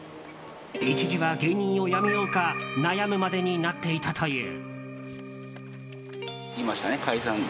一時は芸人を辞めようか悩むまでになっていたという。